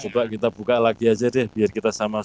coba kita buka lagi aja deh biar kita sama sama